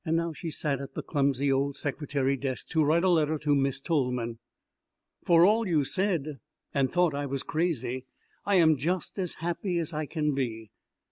Now she sat at the clumsy old secretary desk to write a letter to Miss Tolman. ... For all you said, and hought I was crazy, I am just as happy as I can be.